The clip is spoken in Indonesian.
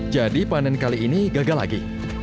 jadi panen kali ini gagal lagi